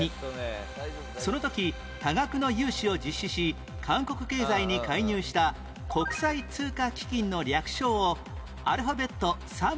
その時多額の融資を実施し韓国経済に介入した国際通貨基金の略称をアルファベット３文字でなんという？